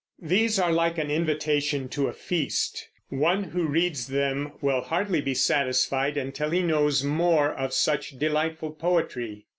These are like an invitation to a feast; one who reads them will hardly be satisfied until he knows more of such delightful poetry.